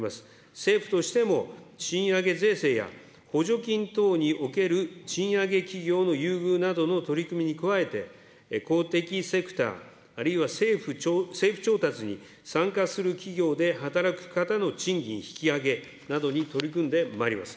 政府としても賃上げ税制や、補助金等における賃上げ企業の優遇などの取り組みに加えて、公的セクター、あるいは政府調達に参加する企業で働く方の賃金引き上げなどに取り組んでまいります。